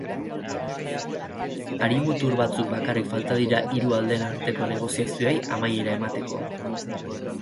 Hari-mutur batzuk bakarrik falta dira hiru aldeen arteko negoziazioei amaiera emateko.